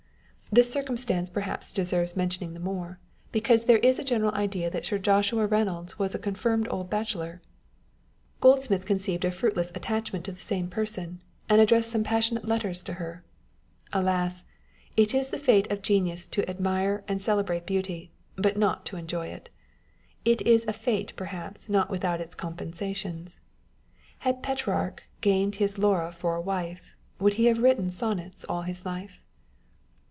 This circumstance perhaps deserves mentioning the more, because there is a general idea that Sir Joshua Reynolds was a confirmed old bachelor. Goldsmith conceived a fruitless attachment to the same 154 On Sitting for One's Picture. person, and addressed some passionate letters to her. Alas ! it is the fate of genius to admire and to celebrate beauty, not to enjoy it ! It is a fate, perhaps, not without its compensations â€" Had Petrarch gained his Laura for a wife, Would he have written Sonnets all his life